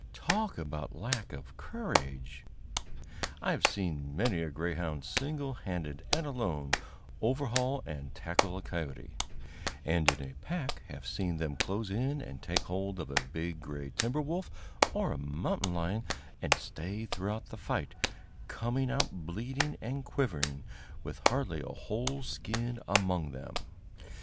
Talk about a lack of courage! I have seen many a greyhound single handed and alone overhaul and tackle a coyote, and in a pack have seen them close in and take hold of a big gray timber wolf or a mountain lion and stay throughout the fight, coming out bleeding and quivering, with hardly a whole skin among them.